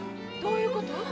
どういうこと？